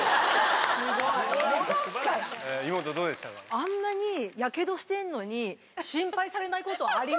あんなにやけどしてるのに心配されないことあります？と思って。